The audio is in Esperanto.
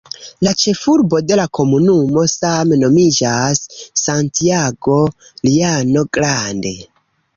La ĉefurbo de la komunumo same nomiĝas "Santiago Llano Grande".